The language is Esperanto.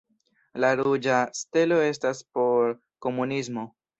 La ruĝa stelo estas por Komunismo.